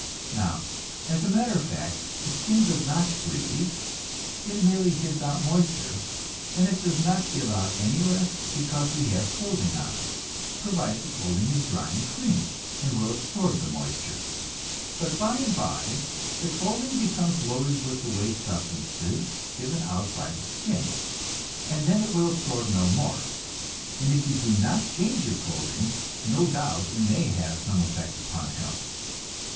Now, as a matter of fact, the skin does not breathe, it merely gives out moisture, and it does not give out any less because we have clothing on us, provided the clothing is dry and clean, and will absorb moisture. But bye and bye the clothing becomes loaded with the waste substances given out by the skin, and then it will absorb no more, and if you do not change your clothing, no doubt it may have some effect upon health.